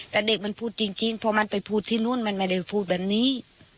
แต่เด็กมันพูดจริงเพราะมันไปพูดที่นู้นมันไม่ได้พูดแบบนี้